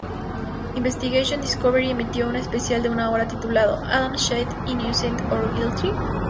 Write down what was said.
Investigation Discovery emitió un especial de una hora titulado "Adnan Syed: Innocent or Guilty?